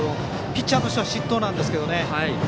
ピッチャーとしては失投なんですけどね。